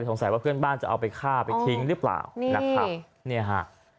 สงสัยว่าเพื่อนบ้านจะเอาไปฆ่าไปทิ้งหรือเปล่านะครับเนี่ยฮะ